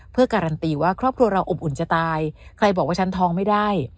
เพื่อการันตีว่าครอบครัวเราอบอุ่นจะตายใครบอกว่าฉันท้องไม่ได้